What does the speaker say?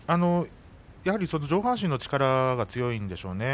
上半身の力が強いんでしょうね。